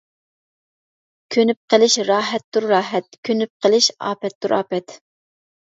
كۆنۈپ قېلىش راھەتتۇر راھەت، كۆنۈپ قېلىش ئاپەتتۇر ئاپەت.